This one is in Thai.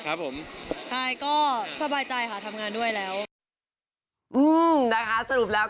คือเมื่อแข่งกันบั๊บกันใหม่